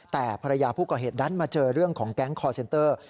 แต่ภรรยาผู้ก่อเหตุดันมาเจอเรื่องของแก๊งคอร์เซนเตอร์